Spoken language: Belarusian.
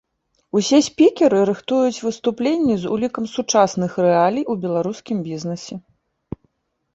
Усе спікеры рыхтуюць выступленні з улікам сучасных рэалій у беларускім бізнесе.